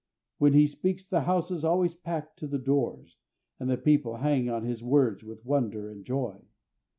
When he speaks the house is always packed to the doors, and the people hang on his words with wonder and joy.